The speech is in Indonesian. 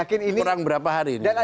kurang berapa hari ini